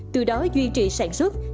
từ đó duy trì sản xuất